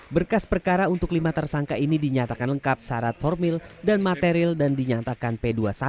berkas perkara untuk lima tersangka ini dinyatakan lengkap syarat formil dan material dan dinyatakan p dua puluh satu